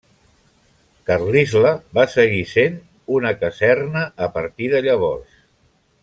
Carlisle va seguir sent una caserna a partir de llavors.